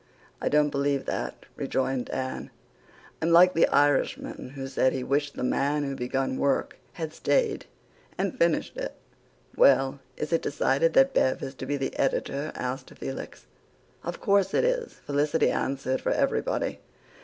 "I don't believe THAT," rejoined Dan. "I'm like the Irishman who said he wished the man who begun work had stayed and finished it." "Well, is it decided that Bev is to be editor?" asked Felix. "Of course it is," Felicity answered for everybody.